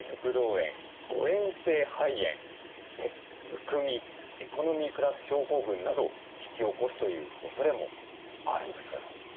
えん性肺炎むくみエコノミークラス症候群などを引き起こすというおそれもあるそうなんですね。